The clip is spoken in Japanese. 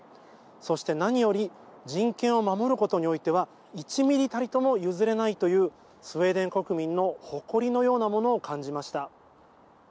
そして何より人権を守ることにおいては１ミリたりとも譲れないというスウェーデン国民の誇りのようなものを感じました。